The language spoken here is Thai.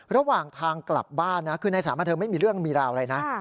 ระหว่างทางกลับบ้านนะคือในสถานบันเทิงไม่มีเรื่องมีราวอะไรนะ